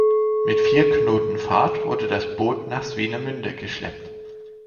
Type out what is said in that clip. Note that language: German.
Mit vier Knoten Fahrt wurde das Boot nach Swinemünde geschleppt.